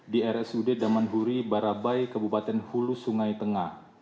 di rsud daman huri barabai kebupaten hulu sungai tengah